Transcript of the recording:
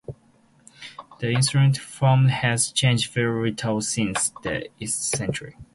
The instrument's form has changed very little since the eighth century.